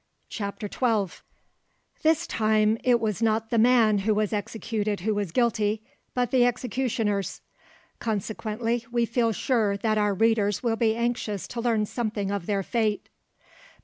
CHAPTER XII This time it was not the man who was executed who was guilty, but the executioners; consequently we feel sure that our readers will be anxious to learn something of their fate.